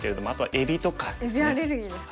えびアレルギーですか？